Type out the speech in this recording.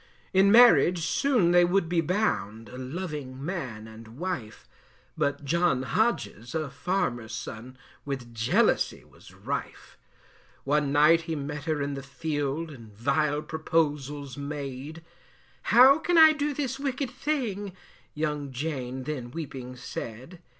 In marriage soon they would be bound, A loving man and wife, But John Hodges, a farmer's son, With jealousy was rife. One night he met her in the field, And vile proposals made; How can I do this wicked thing; Young Jane then weeping said.